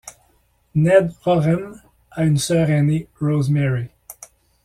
Ned Rorem a une sœur ainée Rosemary.